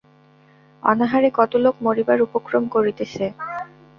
অনাহারে কত লোক মরিবার উপক্রম করিতেছে।